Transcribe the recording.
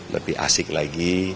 lebih asik lagi